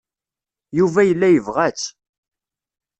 Yuba yella yebɣa-tt.